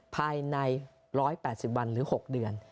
ภายใน๑๘๐วันหรือ๖เดือน